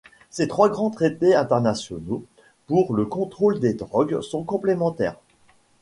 Ces trois grands traités internationaux pour le contrôle des drogues sont complémentaires.